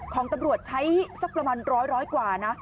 ของตำรวจใช้สักประมาณ๑๐๐กว่านะ